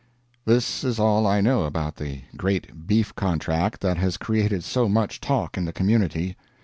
This is all I know about the great beef contract that has created so much talk in the community.